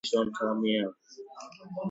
"Petra" means "rock" in Latin.